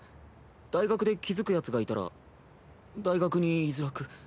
大学で気付くヤツがいたら大学にいづらく。